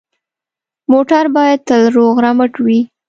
موټر باید تل روغ رمټ وي.